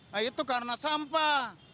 nah itu karena sampah